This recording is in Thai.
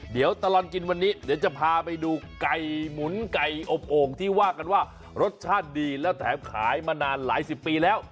เดี๋ยวตลอดกินวันนี้เดี๋ยวจะพาไปดูไก่หมุนไก่อบโอ่งที่ว่ากันว่ารสชาติดีแล้วแถมขายมานานหลายสิบปีแล้ว